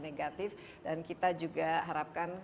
negatif dan kita juga harapkan